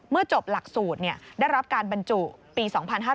จบหลักสูตรได้รับการบรรจุปี๒๕๕๙